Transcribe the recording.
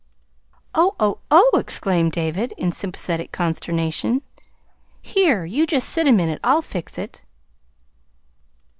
"Oh, oh, oh!" exclaimed David, in sympathetic consternation. "Here, you just wait a minute. I'll fix it."